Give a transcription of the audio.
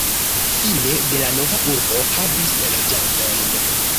Fine de la nova urbo havis loĝantojn.